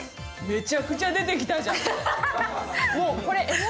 めちゃくちゃ出てきたじゃん。